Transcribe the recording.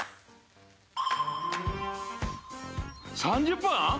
３０分⁉